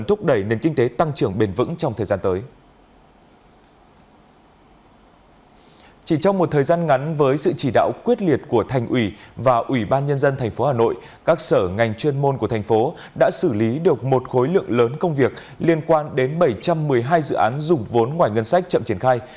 ủy ban nhân dân tp hà nội các sở ngành chuyên môn của thành phố đã xử lý được một khối lượng lớn công việc liên quan đến bảy trăm một mươi hai dự án dùng vốn ngoài ngân sách chậm triển khai